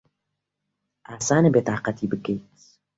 ئاسانە بێتاقەتی بکەیت.